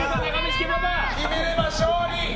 決めれば勝利！